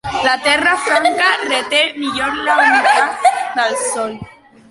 La terra franca reté millor la humitat del sòl.